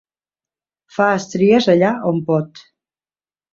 Fa estries allà on pot.